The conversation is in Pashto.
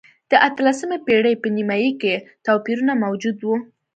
د اتلسمې پېړۍ په نییمایي کې توپیرونه موجود و.